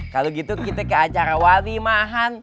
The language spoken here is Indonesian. kalau gitu kita ke acara wawi mahan